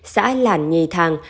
xã lản nhì thàng